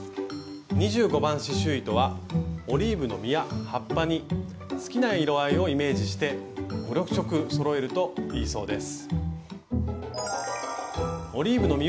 ２５番刺しゅう糸はオリーブの実や葉っぱに好きな色合いをイメージして５６色そろえるといいそうです。